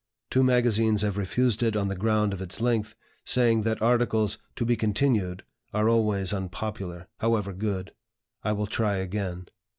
Two magazines have refused it on the ground of its length, saying that articles 'To be continued' are always unpopular, however good. I will try again."